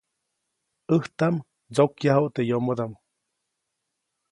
ʼÄjtaʼm ndsokyajuʼt teʼ yomodaʼm.